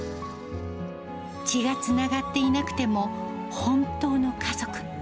血がつながっていなくても、本当の家族。